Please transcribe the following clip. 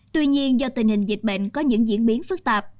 tuy nhiên do tình hình dịch bệnh có những diễn biến phức tạp